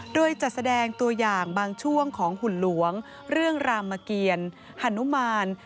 โดยจัดแสดงตัวอย่างบางช่วงของหุ่นหลวงเรื่องรามเกียรฮานุมาน